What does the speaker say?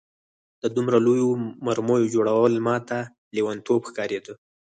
د دومره لویو مرمیو جوړول ماته لېونتوب ښکارېده